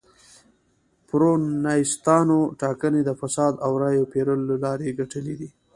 پېرونیستانو ټاکنې د فساد او رایو پېرلو له لارې ګټلې.